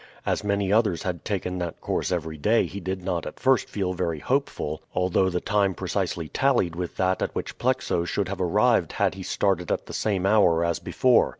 As many others had taken that course every day he did not at first feel very hopeful, although the time precisely tallied with that at which Plexo should have arrived had he started at the same hour as before.